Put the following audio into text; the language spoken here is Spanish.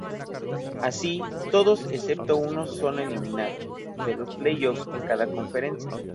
Así, todos excepto uno son eliminados de los playoffs en cada conferencia.